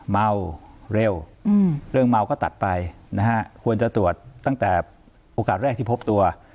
เมาเร็วเรื่องเมาก็ตัดไปนะฮะควรจะตรวจตั้งแต่โอกาสแรกที่พบตัว